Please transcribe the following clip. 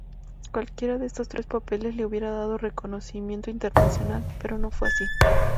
Cualquiera de estos tres papeles le hubieran dado reconocimiento internacional, pero no fue así.